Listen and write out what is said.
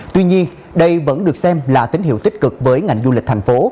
tuy nhiên đây vẫn được xem là tín hiệu tích cực với ngành du lịch thành phố